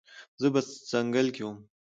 زه په ځنګل کې وم